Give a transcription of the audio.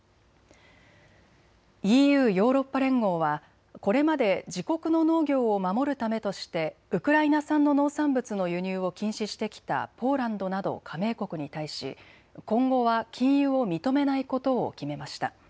ＥＵ・ヨーロッパ連合はこれまで自国の農業を守るためとしてウクライナ産の農産物の輸入を禁止してきたポーランドなど加盟国に対し今後は禁輸を認めないことを決めました。